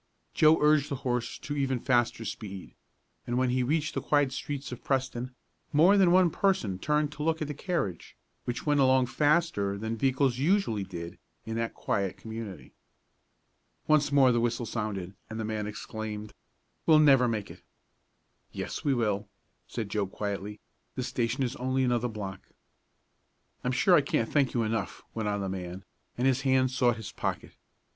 Joe urged the horse to even faster speed, and when he reached the quiet streets of Preston more than one person turned to look at the carriage, which went along faster than vehicles usually did in that quiet community. Once more the whistle sounded, and the man exclaimed: "We'll never make it!" "Yes, we will," said Joe quietly. "The station is only another block." "I'm sure I can't thank you enough," went on the man, and his hand sought his pocket.